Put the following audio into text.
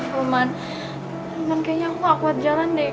roman roman kayaknya aku gak kuat jalan deh